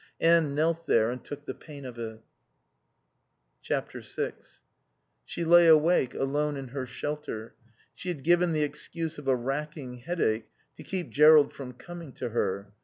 Anne knelt there and took the pain of it. vi She lay awake, alone in her shelter. She had given the excuse of a racking headache to keep Jerrold from coming to her.